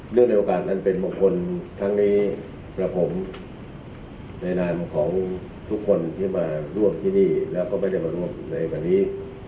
ในโอกาสนั้นเป็นมงคลทั้งนี้ครับผมในนามของทุกคนที่มาร่วมที่นี่แล้วก็ไม่ได้มาร่วมในวันนี้